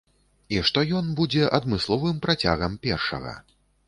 І што ён будзе адмысловым працягам першага.